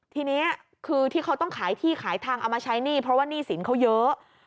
ทีนี้คือที่เขาต้องขายที่ขายทางเอามาใช้หนี้เพราะว่าหนี้สินเขาเยอะ